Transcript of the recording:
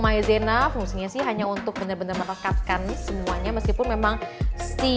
maizena fungsinya sih hanya untuk benar benar merekatkan semuanya meskipun memang si